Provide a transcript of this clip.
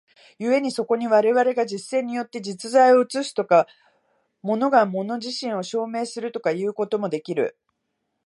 故にそこに我々が実践によって実在を映すとか、物が物自身を証明するとかいうこともできる。